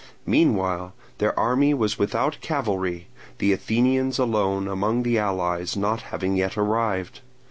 Meanwhile their army was without cavalry, the Athenians alone among the allies not having yet arrived.